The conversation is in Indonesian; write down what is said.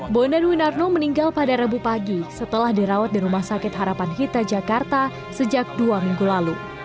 bondan winarno meninggal pada rabu pagi setelah dirawat di rumah sakit harapan hita jakarta sejak dua minggu lalu